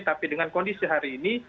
tapi dengan kondisi hari ini